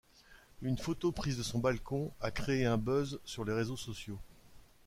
Une photo prise de son balcon a créé un buzz sur les réseaux sociaux.